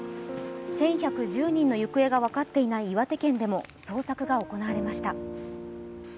１１１０人の行方が分かっていない岩手県でも捜索が行われました。